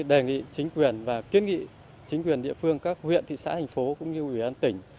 đề nghị chính quyền và kiến nghị chính quyền địa phương các huyện thị xã thành phố cũng như ủy ban tỉnh